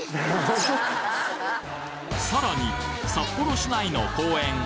さらに札幌市内の公園